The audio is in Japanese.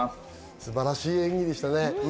素晴らしい演技でしたね。